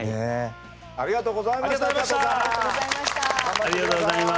ありがとうございます。